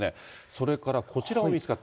それからこちらも見つかった。